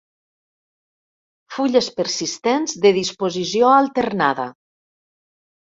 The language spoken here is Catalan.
Fulles persistents de disposició alternada.